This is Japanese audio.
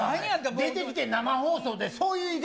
出てきて生放送で、そういう言い方。